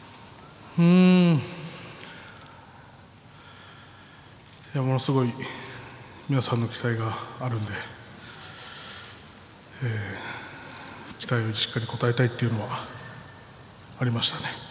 うーんいやものすごい皆さんの期待があるので期待にしっかり応えたいというのはありましたね。